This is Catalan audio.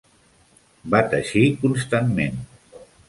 Va teixir constantment.